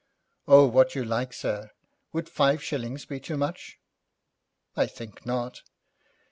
'Oh, what you like, sir. Would five shillings be too much?' 'I think not.'